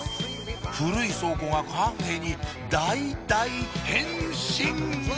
古い倉庫がカフェに大大変身！